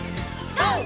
ＧＯ！